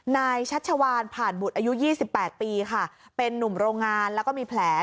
นายชัดชวานผ่านบุตรอายุยี่สิบแปดปีค่ะเป็นนุ่มโรงงานแล้วก็มีแผล